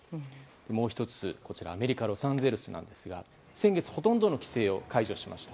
もう１つアメリカ・ロサンゼルスですが先月ほとんどの規制を解除しました。